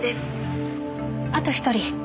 あと１人。